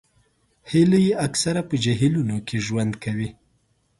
هیلۍ اکثره په جهیلونو کې ژوند کوي